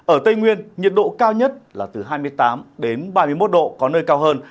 ở tây nguyên nhiệt độ cao nhất là từ hai mươi tám ba mươi một độ có nơi cao hơn